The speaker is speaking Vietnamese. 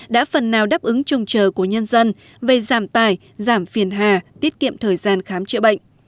đã phần nào đáp ứng trông chờ của nhân dân về giảm tài giảm phiền hà tiết kiệm thời gian khám chữa bệnh